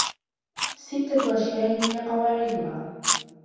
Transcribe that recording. سِتَّةُ أَشْيَاءَ هِيَ قَوَاعِدُهَا